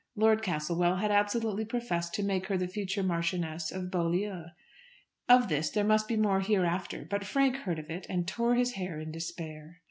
Lord Castlewell had absolutely professed to make her the future Marchioness of Beaulieu. Of this there must be more hereafter; but Frank heard of it, and tore his hair in despair.